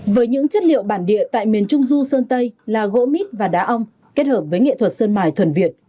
với những chất liệu bản địa tại miền trung du sơn tây là gỗ mít và đá ong kết hợp với nghệ thuật sơn mài thuần việt